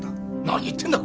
何言ってんだ？